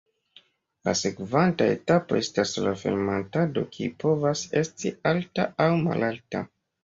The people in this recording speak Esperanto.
La sekvanta etapo estas la fermentado kiu povas esti alta aŭ malalta.